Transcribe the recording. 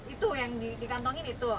itu yang dikantongin itu